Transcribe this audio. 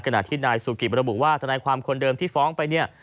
ขณะที่นายซูกิบระบุว่าทนายความคนเดิมที่ฟ้องไปเนี่ย